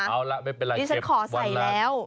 เอาล่ะไม่เป็นไรเชฟวันละ